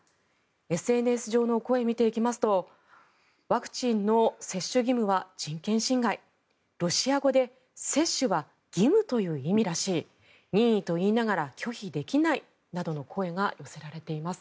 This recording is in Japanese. ＳＮＳ上の声を見ていきますとワクチンの接種義務は人権侵害ロシア語で接種は義務という意味らしい任意と言いながら拒否できないなどの声が寄せられています。